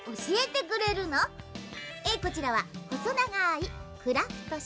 こちらはほそながいクラフトし。